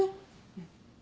うん。